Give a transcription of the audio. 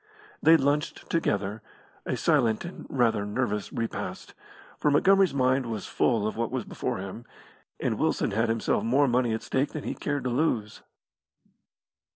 They lunched together; a silent and rather nervous repast, for Montgomery's mind was full of what was before him, and Wilson had himself more money at stake than he cared to lose.